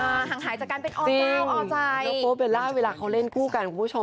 หางหายจากการเอาเนาอ่อใจอ๋อจริงโบ๊ะเบลล่าเวลาเค้าเล่นคู่กันคุณผู้ชม